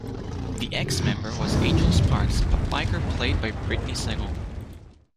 The ex-member was Angel Sparks, a biker, played by Brittney Segal.